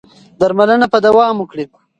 درملنه به دوام وکړي.